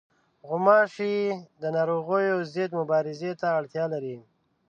غوماشې د ناروغیو ضد مبارزې ته اړتیا لري.